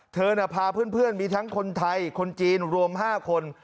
เธอพาเพื่อนมีทั้งคนไทยคนจีนรวม๕คน